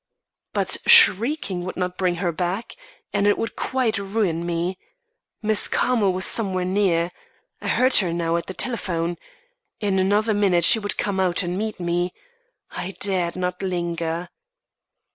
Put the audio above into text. But shrieking would not bring her back and it would quite ruin me. Miss Carmel was somewhere near. I heard her now at the telephone; in another minute she would come out and meet me. I dared not linger.